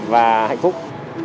và hạnh phúc